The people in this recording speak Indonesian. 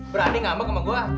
berani ngambek sama gua